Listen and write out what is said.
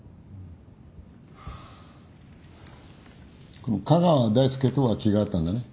この嘉川大輔とは気が合ったんだね？